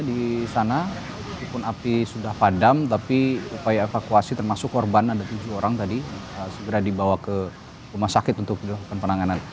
di sana walaupun api sudah padam tapi upaya evakuasi termasuk korban ada tujuh orang tadi segera dibawa ke rumah sakit untuk dilakukan penanganan